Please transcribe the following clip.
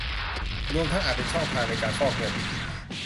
รวมทั้งอาจเป็นช่องทางในการฟอกเงิน